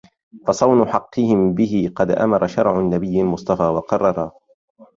فصون حقهم به قد أمر شرع النبي المصطفى وقرَّرَ